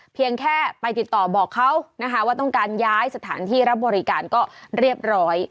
เพียงแค่ไปติดต่อบอกเขานะคะว่าต้องการย้ายสถานที่รับบริการก็เรียบร้อย